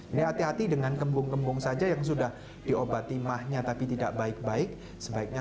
ini hati hati dengan kembung kembung saja yang sudah diobati mahnya tapi tidak baik baik sebaiknya